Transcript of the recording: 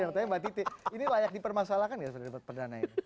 tentunya mbak titi ini layak dipermasalahkan ya sebagai debat perdana ini